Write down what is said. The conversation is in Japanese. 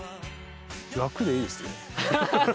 楽でいいですね。